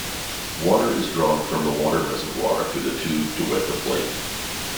Water is drawn from the water reservoir through the tube to wet the plate.